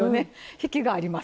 引きがありますね。